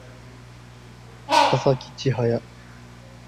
佐々木千隼